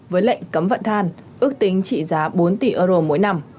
với lệnh cấm vận than ước tính trị giá bốn tỷ euro mỗi năm